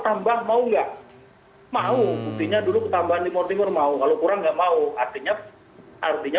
tambah mau nggak mau punya dulu tambah dimotivir mau kalau kurang nggak mau artinya artinya